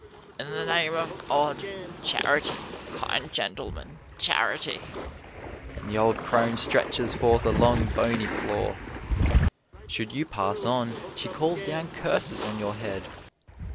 "In the name of God, charity, kind gentlemen, charity!" and the old crone stretches forth a long, bony claw. Should you pass on she calls down curses on your head.